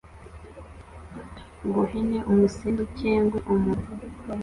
guhene umusenzu cyengwe um